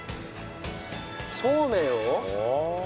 そうめんを。